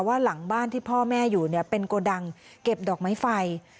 หลังบ้านที่พ่อแม่อยู่เป็นโกดังเก็บดอกไม้ไฟ